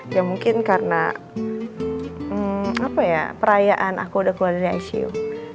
ya mungkin karena perayaan aku udah keluar dari icu